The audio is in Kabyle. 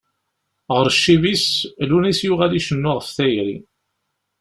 Ɣer ccib-is, Lunis yuɣal icennu ɣef tayri.